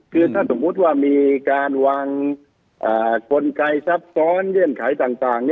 คือถ้าสมมุติว่ามีการวางกลไกซับซ้อนเงื่อนไขต่าง